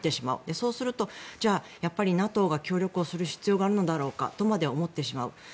そうすると、やっぱりＮＡＴＯが協力する必要があるのかと思ってしまう。